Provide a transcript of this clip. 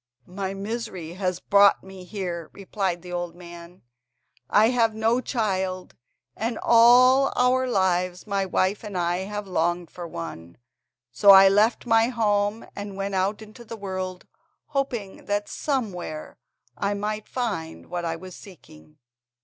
"My misery has brought me here," replied the old man; "I have no child, and all our lives my wife and I have longed for one. So I left my home, and went out into the world, hoping that somewhere I might find what I was seeking."